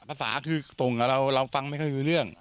ภาษาคือตรงอ่ะเราเราฟังไม่เคยรู้เรื่อง